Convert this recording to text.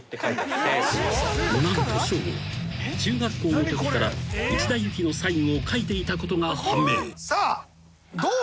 ［何とＳＨＯＧＯ中学校のときから内田有紀のサインを書いていたことが判明］